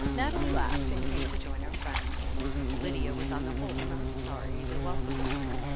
Nathalie laughed, and came to join her friend. Lydia was on the whole not sorry to welcome her.